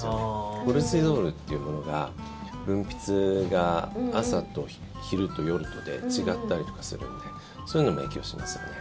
コルチゾールっていうものが分泌が朝と昼と夜とで違ったりするんでそういうのも影響しますね。